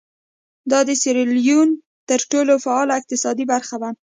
دا د سیریلیون تر ټولو فعاله اقتصادي برخه وه.